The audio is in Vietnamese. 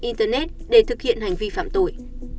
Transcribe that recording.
internet để thực hiện hành vi phạm tội